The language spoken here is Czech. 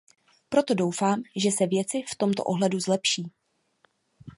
Proto doufám, že se věci v tomto ohledu zlepší.